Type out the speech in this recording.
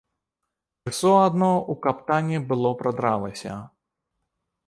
Крысо адно ў каптане было прадралася.